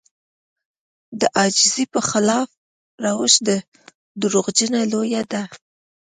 د عاجزي په خلاف روش دروغجنه لويي ده.